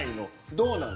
どうなの？